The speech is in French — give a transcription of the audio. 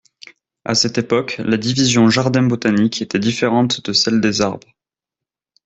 À cette époque la division jardin Botanique était différente de celle des arbres.